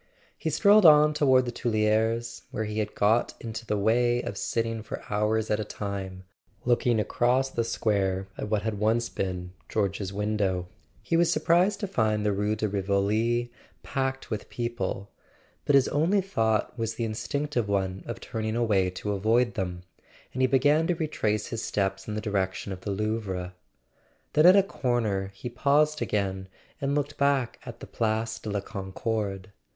He strolled on toward the Tuileries, where he had got into the way of sitting for hours at a time, looking across the square at what had once been George's window. He was surprised to find the Rue de Rivoli packed with people; but his only thought was the instinctive one of turning away to avoid them, and he began to retrace his steps in the direction of the Louvre. Then at a corner he paused again and looked back at the Place de la Concorde.